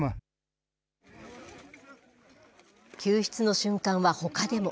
救出の瞬間はほかでも。